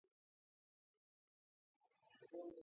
განსაკუთრებით ცნობილია თავისი ფასადით და მინის მოხატულობით.